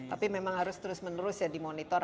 tapi memang harus terus menerus ya dimonitor